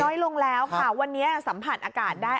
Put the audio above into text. น้อยลงแล้วค่ะวันนี้สัมผัสอากาศได้